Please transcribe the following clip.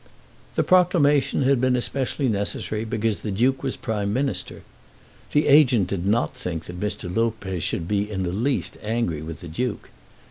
The proclamation had been especially necessary because the Duke was Prime Minister. The agent did not think that Mr. Lopez should be in the least angry with the Duke.